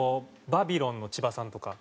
バビロンの千葉さんとか。